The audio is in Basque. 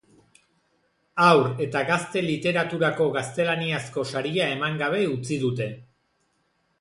Haur eta gazte literaturako gaztelaniazko saria eman gabe utzi dute.